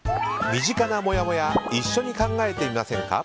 身近なもやもや一緒に考えてみませんか。